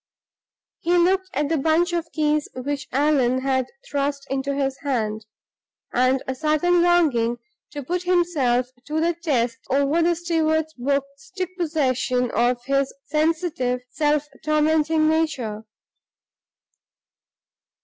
He looked at the bunch of keys which Allan had thrust into his hand, and a sudden longing to put himself to the test over the steward's books took possession of his sensitive self tormenting nature.